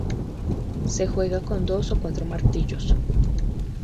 Se juega con dos o cuatro martillos.